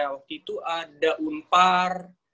waktu itu ada unpar